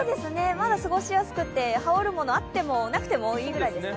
まだ過ごしやすくって、羽織るものがなくてもいいぐらいですね。